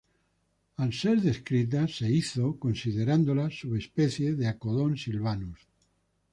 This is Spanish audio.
Al ser descrita se lo hizo considerándola subespecie de "Akodon sylvanus".